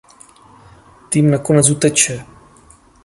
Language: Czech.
Tým nakonec uteče.